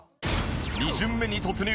２巡目に突入。